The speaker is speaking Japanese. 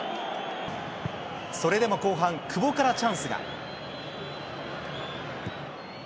それでも後半、久保からチャンスが。